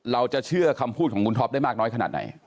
เราจะเชื่อคำพูดของคุณท็อปได้มากน้อยขนาดไหน